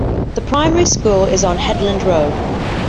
The Primary school is on Headland Road.